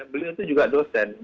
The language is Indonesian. beliau itu juga dosen